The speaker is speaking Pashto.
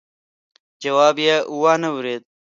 جواب يې وانه ورېد.